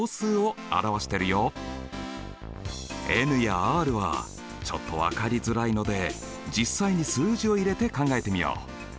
ｎやｒはちょっと分かりづらいので実際に数字を入れて考えてみよう。